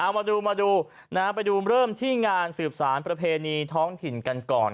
มาดูมาดูเริ่มที่งานสืบสารประเพณีท้องถิ่นกันก่อน